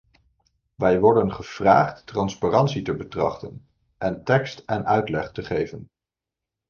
Wij worden gevraagd transparantie te betrachten en tekst en uitleg te geven.